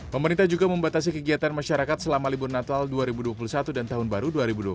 pemerintah juga membatasi kegiatan masyarakat selama libur natal dua ribu dua puluh satu dan tahun baru dua ribu dua puluh